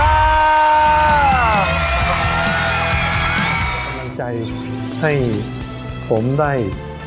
กำลังใจให้ผมได้